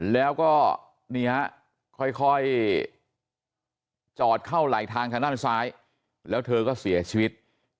แล้วก็นี่ฮะค่อยจอดเข้าไหลทางทางด้านซ้ายแล้วเธอก็เสียชีวิต